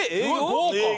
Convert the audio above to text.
豪華！